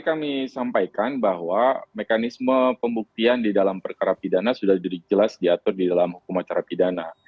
kami sampaikan bahwa mekanisme pembuktian di dalam perkara pidana sudah jelas diatur di dalam hukum acara pidana